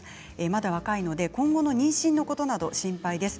まだ若いので今後の妊娠のことなど心配です。